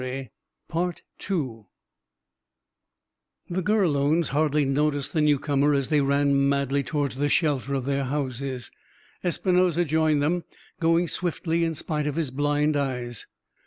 The Gurlones hardly noticed the newcomer, as they ran madly towards the shelter of their houses. Espinosa joined them, going swiftly in spite of his blind eyes.